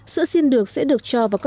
sữa xin được sẽ được cho vào các nhà